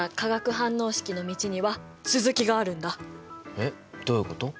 えどういうこと？